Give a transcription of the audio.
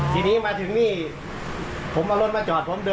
มันมากเลยเหมือนอยู่ในหนังเลย